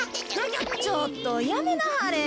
ちょっとやめなはれ。